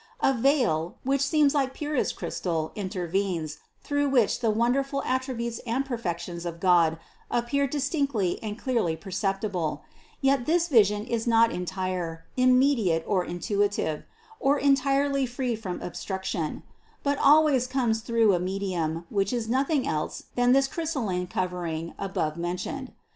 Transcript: A veil, which seems like purest crystal intervenes, through which the wonderful attributes and perfections of God appear distinctly and clearly perceptible; yet this vision is not entire, immediate or intuitive, or entirely free from obstruction, but always comes through a medium, which is nothing else than this crystalline covering above men tioned.